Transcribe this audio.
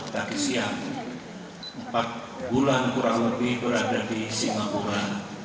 tadi siang empat bulan kurang lebih berada di singapura